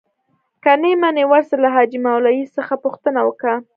که نې منې ورسه له حاجي مولوي څخه پوښتنه وکه.